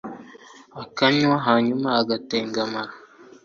akanywa hanyuma agatengamara